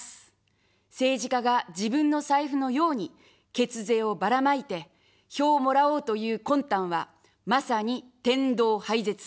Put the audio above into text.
政治家が自分の財布のように血税をばらまいて、票をもらおうという魂胆は、まさに天道廃絶。